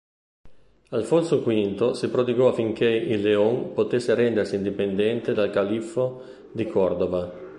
Alfonso V si prodigò affinché il León potesse rendersi indipendente dal califfo di Cordova.